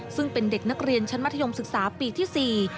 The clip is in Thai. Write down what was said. ซึ่งเป็นเด็กนักเรียนชั้นมัธยมศึกษาปีที่๔